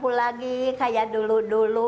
aku lagi kayak dulu dulu